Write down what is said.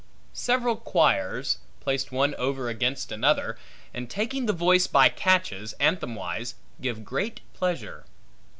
Several quires, placed one over against another, and taking the voice by catches, anthem wise, give great pleasure.